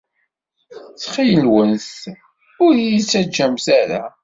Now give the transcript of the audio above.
Ttxil-went, ur iyi-ttaǧǧamt ara!